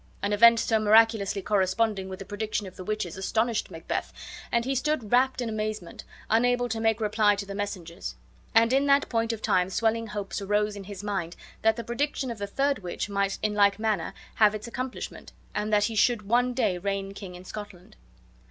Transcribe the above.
An event so miraculously corresponding with the prediction of the witches astonished Macbeth, and he stood wrapped in amazement, unable to make reply to the messengers; and in that point of time swelling hopes arose in his mind that the prediction of the third witch might in like manner have its accomplishment, and that he should one day reign king in Scotland.